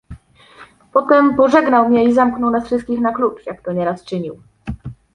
"Potem pożegnał mię i zamknął nas wszystkich na klucz, jak to nieraz czynił."